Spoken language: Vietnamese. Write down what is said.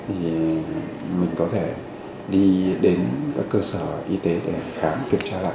thì mình có thể đi đến các cơ sở y tế để khám kiểm tra lại